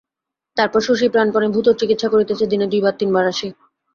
তারপর শশীই প্রাণপণে ভুতোর চিকিৎসা করিতেছে, দিনে দুইবার তিনবার আসে।